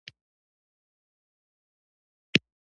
عثمان جان باچا یې هم چرتي کړ، چیني چغه وکړه.